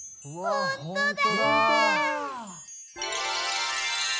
ほんとだ。